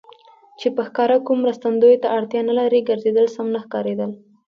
چې په ښکاره کوم مرستندویه ته اړتیا نه لري، ګرځېدل سم نه ښکارېدل.